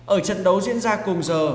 ở trận đấu diễn ra cùng giờ